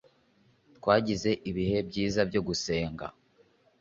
twagize ibihe byiza byo gusenga